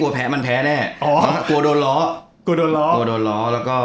กลัวแพ้มันแพ้แน่กลัวโดนร้อ